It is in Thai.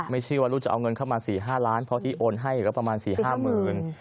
ไม่เชื่อว่าลูกจะเอาเงินเข้ามาสี่ห้าล้านเพราะที่โอนให้ก็ประมาณสี่ห้าหมื่น